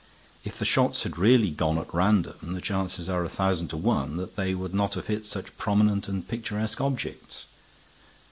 If the shots had really gone at random, the chances are a thousand to one that they would not have hit such prominent and picturesque objects.